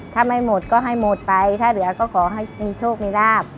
ถ้าไม่หมดก็ให้หมดไปถ้าเหลือก็ขอให้มีโชคมีลาบ